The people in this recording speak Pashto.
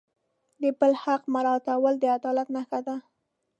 د بل حق مراعتول د عدالت نښه ده.